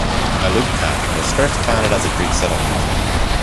Alupka was first founded as a Greek settlement.